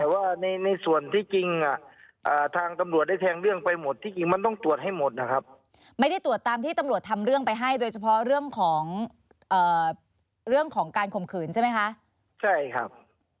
แต่ว่าในส่วนที่จริงทางตำรวจได้แทงเรื่องไปหมดที่จริงมันต้องตรวจให้หมดนะครับ